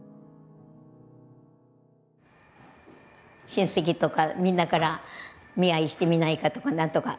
親戚とかみんなから見合いしてみないかとかなんとか。